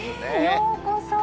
ようこそ。